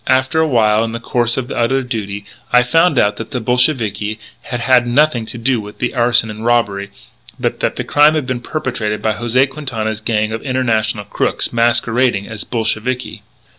After a while, in the course of other duty, I found out that the Bolsheviki had had nothing to do with the arson and robbery, but that the crime had been perpetrated by José Quintana's gang of international crooks masquerading as Bolsheviki."